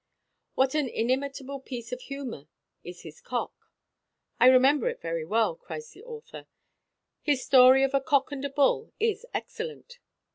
What an inimitable piece of humour is his Cock!" "I remember it very well," cries the author; "his story of a Cock and a Bull is excellent."